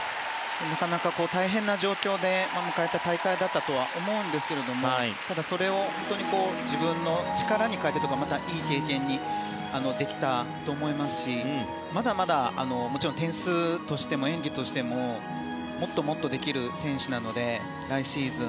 なかなか大変な状況で迎えた大会だったとは思うんですけどただ、それを自分の力に変えてというかいい経験にできたと思いますしまだまだ、もちろん点数としても演技としてももっともっとできる選手なので来シーズン